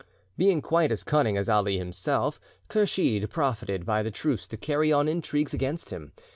Being quite as cunning as Ali himself, Kursheed profited by the truce to carry on intrigues against him.